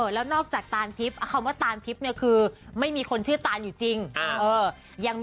แล้วนอกจากตานทิพย์คำว่าตานทิพย์เนี่ยคือไม่มีคนชื่อตานอยู่จริง